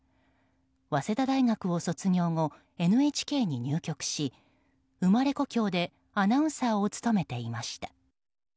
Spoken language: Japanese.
早稲田大学を卒業後ＮＨＫに入局し生まれ故郷でアナウンサーを務めていました。